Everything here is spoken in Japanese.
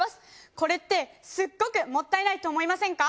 これってすごくもったいないと思いませんか？